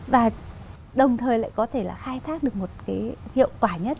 và đồng thời lại có thể là khai thác được một cái hiệu quả nhất